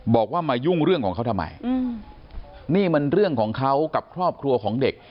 บอกว่ามายุ่งเรื่องของเขาทำไมนี่มันเรื่องของเขากับครอบครัวของเด็ก